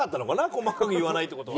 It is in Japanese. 細かく言わないって事は。